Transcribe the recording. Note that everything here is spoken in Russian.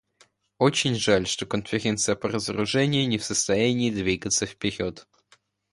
Очень жаль, что Конференция по разоружению не в состоянии двигаться вперед.